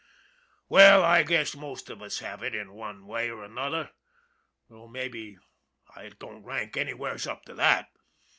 Well, I guess most of us have in one way or another, though mabbe it don't rank anywheres up to that.